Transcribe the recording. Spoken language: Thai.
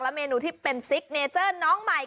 เมนูที่เป็นซิกเนเจอร์น้องใหม่